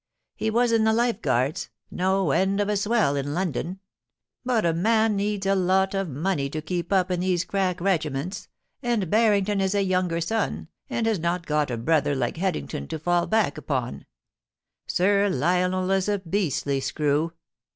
He was in the Life Guards — no end of a swell in Ix)ndon< But a man needs a lot of money to keep up in these crack regiments, and Barrington is a younger son, and has not got a brother like Headington to fall back upon Sir Lionel is a beastly screw.